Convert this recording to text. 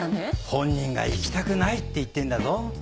本人が「行きたくない」って言ってんだぞ？